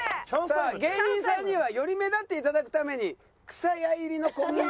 さあ芸人さんにはより目立っていただくためにくさや入りの小麦。